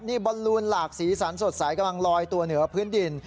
นี่บอลลูนหลากสีสันสดใสกำลังลอยตัวเหนือพื้นดิน